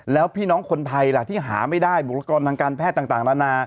แล้วพี่น้องคนไทยล่ะที่หาไม่ได้บุคลากรทางการแพทย์ต่างนานา